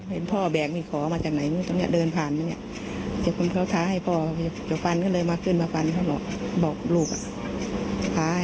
ขยับข่าวหมอพ่อเรับค่าอะไรฟันสังคมประเทศของพี่